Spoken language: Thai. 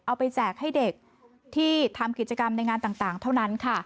แจกให้เด็กที่ทำกิจกรรมในงานต่างเท่านั้นค่ะ